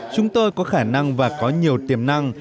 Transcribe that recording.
chúng tôi có khả năng và có nhiều tiềm năng